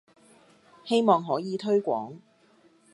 希望可以推廣